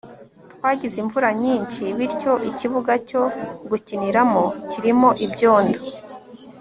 twagize imvura nyinshi, bityo ikibuga cyo gukiniramo kirimo ibyondo